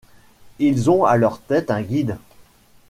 Ils ont à leur tête un Guide.